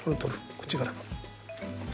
こっちから。